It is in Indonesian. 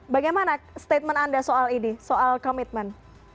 bagaimana statement anda soal ini soal komitmen